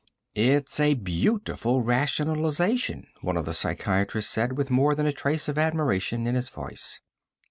"It's a beautiful rationalization," one of the psychiatrists said with more than a trace of admiration in his voice.